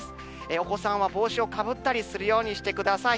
お子さんは帽子をかぶったりするようにしてください。